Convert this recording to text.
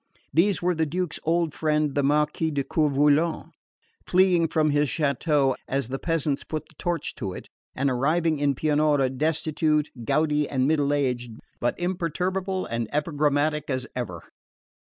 These were the Duke's old friend the Marquis de Coeur Volant, fleeing from his chateau as the peasants put the torch to it, and arriving in Pianura destitute, gouty and middle aged, but imperturbable and epigrammatic as ever.